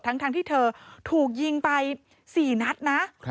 ทั้งที่เธอถูกยิงไป๔นัดนะ